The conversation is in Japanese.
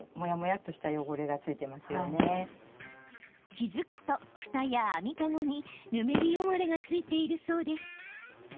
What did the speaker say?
気付くと、ふたや網かごにヌメリ汚れがついているそうです。